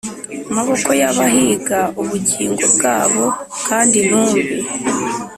maboko y abahiga ubugingo bwabo kandi intumbi